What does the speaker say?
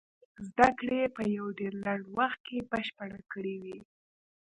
زدکړې يې په يو ډېر لنډ وخت کې بشپړې کړې وې.